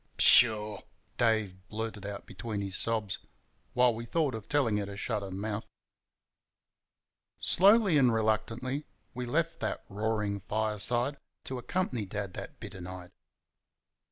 "Pshah!" Dave blurted out between his sobs, while we thought of telling her to shut her mouth. Slowly and reluctantly we left that roaring fireside to accompany Dad that bitter night.